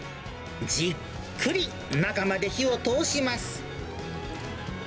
じっくり中まで火を通します。